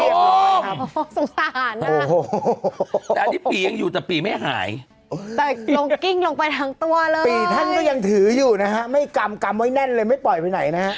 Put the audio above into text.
สงสารนะแต่อันนี้ปียังอยู่แต่ปีไม่หายแต่ลงกิ้งลงไปทั้งตัวเลยปีท่านก็ยังถืออยู่นะฮะไม่กำกำไว้แน่นเลยไม่ปล่อยไปไหนนะฮะ